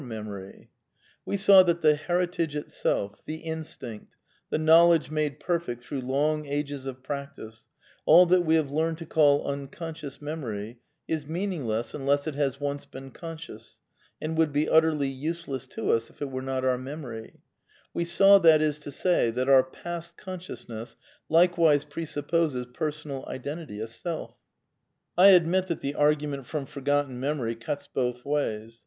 memory, ' We saw that " the heritage " itself, the instinct, the knowledge made perfect through long ages of practice, all that we have learned to call unconscious memory, is mean ingless unless it has once been conscious, and would be utterly useless to us if it were not our memory ; we saw, that is to say, that our past consciousness likewise presup poses personal identity, a self. I admit that the argument from f orffotten memory cuts both ways.